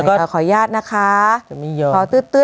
ขออยากรับอย่างงี้ท่านระทับ